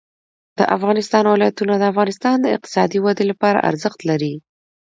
د افغانستان ولايتونه د افغانستان د اقتصادي ودې لپاره ارزښت لري.